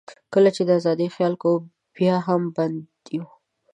کله چې د آزادۍ خیال کوو، بیا هم بند یو.